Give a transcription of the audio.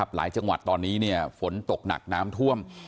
หลายจังหวัดตอนนี้ฝนตกหนักน้ำท่วม